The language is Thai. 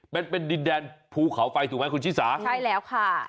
เป็นเป็นดินแดนภูเขาไฟถูกไหมคุณชิสาใช่แล้วค่ะ